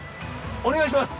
お願いします！